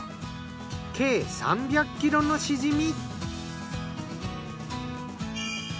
計３００ｋｇのシジミ。